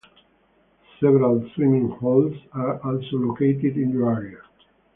Several swimming holes are also located in the area.